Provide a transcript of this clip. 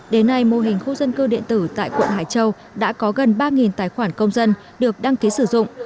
đến nay mô hình khu dân cư điện tử tại quận hải châu đã có gần ba tài khoản công dân được đăng ký sử dụng